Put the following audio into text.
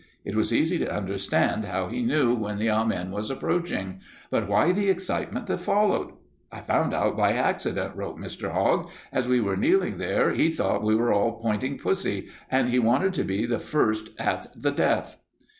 It was easy to understand how he knew when the 'Amen' was approaching, but why the excitement that followed? 'I found out by accident,' wrote Mr. Hogg. 'As we were kneeling there, he thought we were all pointing Pussy, and he wanted to be among the first at the death.'